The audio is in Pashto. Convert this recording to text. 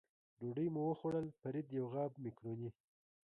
ډوډۍ مو وخوړل، فرید یو غاب مکروني.